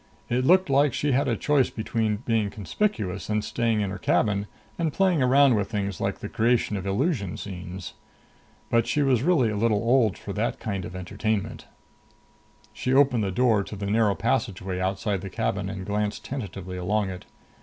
It looked like she had a choice between being conspicuous and staying in her cabin and playing around with things like the creation of illusion scenes. And she was really a little old for that kind of entertainment. She opened the door to the narrow passageway outside the cabin and glanced tentatively along it.